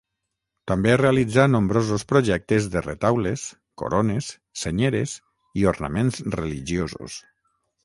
També realitzà nombrosos projectes de retaules, corones, senyeres i ornaments religiosos.